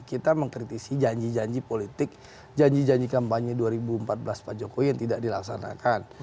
kita mengkritisi janji janji politik janji janji kampanye dua ribu empat belas pak jokowi yang tidak dilaksanakan